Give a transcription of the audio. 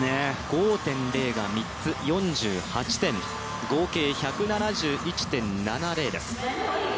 ５．０が３つ４８点、合計１７１．７０です。